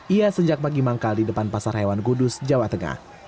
ia sejak pagi manggal di depan pasar hewan kudus jawa tengah